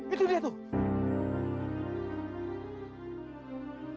itu dia tuh